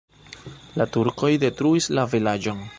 La turkoj detruis la vilaĝon.